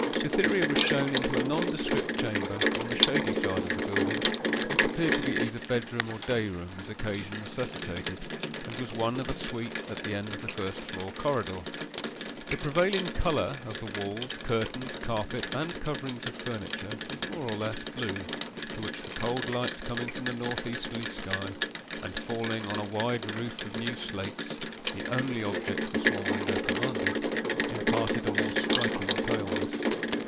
Cytherea was shown into a nondescript chamber, on the shady side of the building, which appeared to be either bedroom or dayroom, as occasion necessitated, and was one of a suite at the end of the first floor corridor. The prevailing colour of the walls, curtains, carpet, and coverings of furniture, was more or less blue, to which the cold light coming from the north easterly sky, and falling on a wide roof of new slates the only object the small window commanded imparted a more striking paleness.